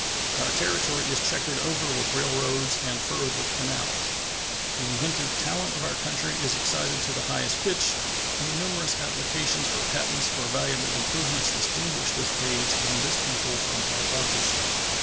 Our territory is checkered over with railroads and furrowed with canals. The inventive talent of our country is excited to the highest pitch, and the numerous applications for patents for valuable improvements distinguish this age and this people from all others.